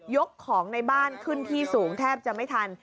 กของในบ้านขึ้นที่สูงแทบจะไม่ทัน